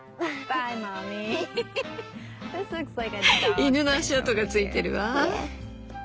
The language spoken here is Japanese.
犬の足跡が付いてるわ。